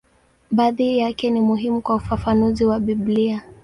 Baadhi yake ni muhimu kwa ufafanuzi wa Biblia.